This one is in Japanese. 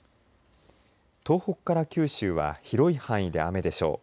東北から九州は広い範囲で雨でしょう。